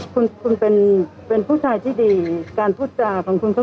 คุณคุณเป็นเป็นผู้ชายที่ดีการพูดจาของคุณก็